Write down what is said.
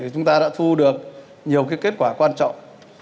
chúng ta đã thu được nhiều kết quả quan trọng